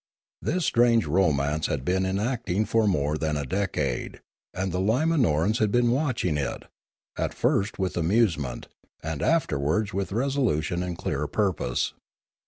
This strange romance had been enacting for more than a decade; and the Limanorans had been watching it, at first with amusement, and afterwards with resolution and clear purpose.